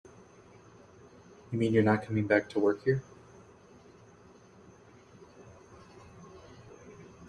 You mean you're not coming back to work here?